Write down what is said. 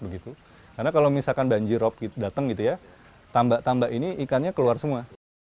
karena kalau misalkan banjirop datang gitu ya tambak tambak ini ikannya keluar semua